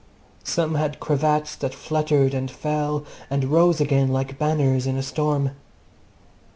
Some had cravats that fluttered and fell and rose again like banners in a storm.